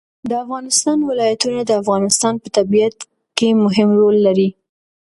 د افغانستان ولايتونه د افغانستان په طبیعت کې مهم رول لري.